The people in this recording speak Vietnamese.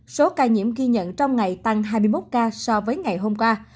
số ca nhiễm ghi nhận trong ngày tăng hai mươi một ca so với ngày hôm qua